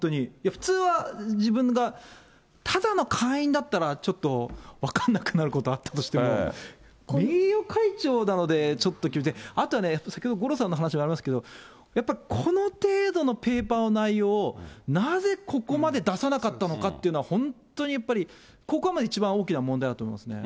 普通は、自分がただの会員だったら、ちょっと分かんなくなることあったとしても、名誉会長だので、ちょっと、あとね、先ほど五郎さんの話にありますけど、この程度のペーパーの内容を、なぜここまで出さなかったのかっていうのは、本当にやっぱりここは一番大きな問題だと思いますね。